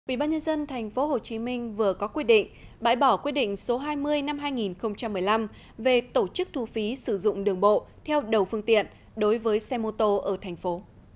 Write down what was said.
ubnd tp hcm vừa có quyết định bãi bỏ quyết định số hai mươi năm hai nghìn một mươi năm về tổ chức thu phí sử dụng đường bộ theo đầu phương tiện đối với xe mô tô ở thành phố